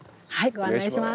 ご案内します。